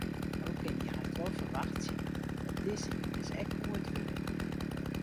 No kinne je hast wol ferwachtsje dat dizze hynders ek goed wurde.